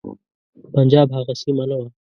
پنجاب هغه سیمه نه وه.